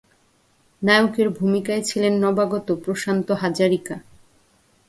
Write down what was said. নায়কের ভূমিকায় ছিলেন নবাগত প্রশান্ত হাজারিকা।